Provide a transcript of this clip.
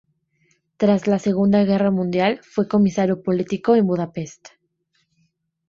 Tras la Segunda Guerra Mundial fue comisario político en Budapest.